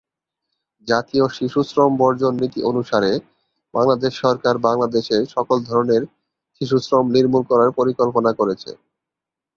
জাতীয় শিশু শ্রম বর্জন নীতি অনুসারে বাংলাদেশ সরকার বাংলাদেশে সকল ধরনের শিশু শ্রম নির্মূল করার পরিকল্পনা করেছে।